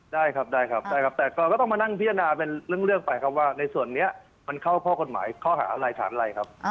ได้ครับได้ครับได้ครับแต่ก็ต้องมานั่งพิจารณาเป็นเรื่องไปครับว่าในส่วนนี้มันเข้าข้อกฎหมายข้อหาอะไรฐานอะไรครับ